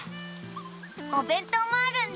おべんとうもあるんだ。